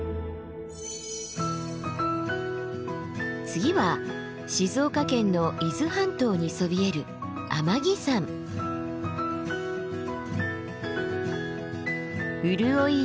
次は静岡県の伊豆半島にそびえる潤い豊かな山です。